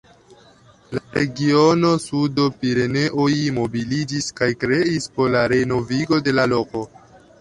La Regiono Sudo-Pireneoj mobiliĝis kaj kreis por la renovigo de la loko.